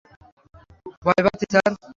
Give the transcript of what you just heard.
ভয় পাচ্ছি, স্যার!